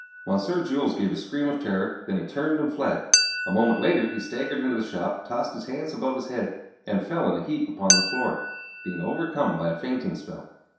Monsieur Jules gave a scream of terror. Then he turned and fled. A moment later he staggered into the shop, tossed his hands above his head, and fell in a heap upon the floor being overcome by a fainting spell.